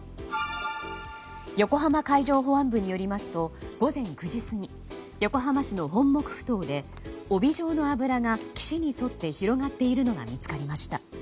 横浜海上保安部によりますと午前９時過ぎ横浜市の本牧ふ頭で帯状の油が岸に沿って広がっているのが見つかりました。